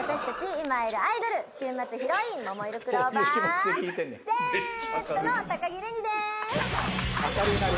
今会えるアイドル週末ヒロインももいろクローバーＺの高城れにです。